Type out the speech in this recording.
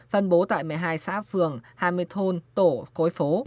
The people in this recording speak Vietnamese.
phân bố tại một mươi hai xã phường hai mươi thôn tổ khối phố